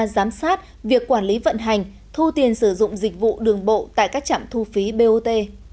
giám sát việc quản lý vận hành thu tiền sử dụng dịch vụ đường bộ tại các trạm thu phí bot